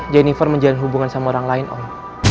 jennifer menjalin hubungan sama orang lain oh